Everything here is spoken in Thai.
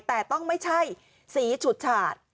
แต่ต้องไม่ใช่สีฉุดฉาด